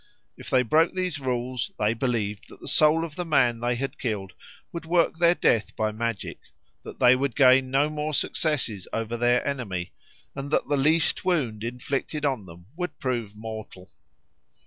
If they broke these rules, they believed that the soul of the man they had killed would work their death by magic, that they would gain no more successes over the enemy, and that the least wound inflicted on them would prove mortal.